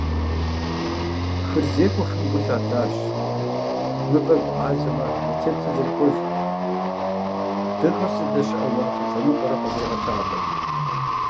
ХырызекӀуэхэм гу лъатащ, мывэр бгъазэмэ и теплъэр зэрихъуэжым, дыгъэр здэщыӀэ уафэ лъэныкъуэр къызэригъэлъагъуэм.